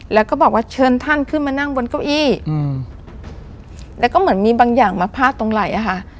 แล้วก็บอกว่าเชิญท่านขึ้นมานั่งบนเก้าอี้อืมแล้วก็เหมือนมีบางอย่างมาพาดตรงไหล่อ่ะค่ะ